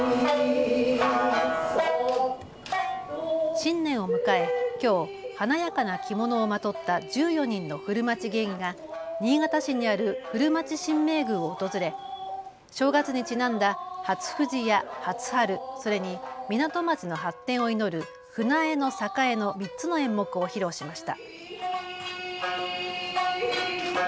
新年を迎えきょう、華やかな着物をまとった１４人の古町芸妓が新潟市にある古町神明宮を訪れ正月にちなんだ初富士や初春、それに港町の発展を祈る舟江の栄の３つの演目を披露しました。